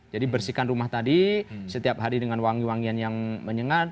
jadi bersihkan rumah tadi setiap hari dengan wangi wangian yang menyengat